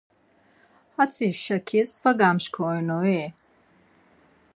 Atzi şakis va gamşkironui?